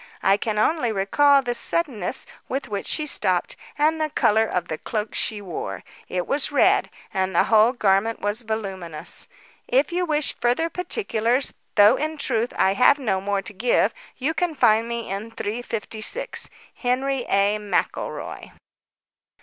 I can only recall the suddenness with which she stooped and the colour of the cloak she wore. It was red, and the whole garment was voluminous. If you wish further particulars, though in truth, I have no more to give, you can find me in 356. "HENRY A. MCELROY."